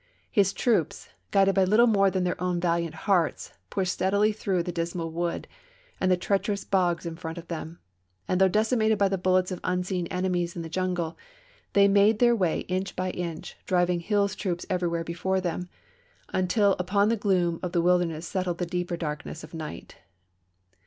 His troops, guided by little more than their own valiant hearts, pushed sturdily through the dismal wood and the treacherous bogs in front of them, and though decimated by the bullets of unseen en emies in the jungle, they made their way inch by inch, driving Hill's troops everywhere before them THE WILDEKNESS 363 until upon the gloom of the Wilderness settled the chap. xiv. deeper darkness of night.